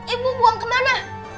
ibu buang kemana